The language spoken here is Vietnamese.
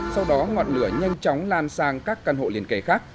sau đó ngọn lửa nhanh chóng lan sang các căn hộ liền kề khác